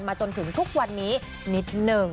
จนถึงทุกวันนี้นิดนึง